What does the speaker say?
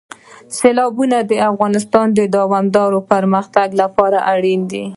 سیلابونه د افغانستان د دوامداره پرمختګ لپاره اړین دي.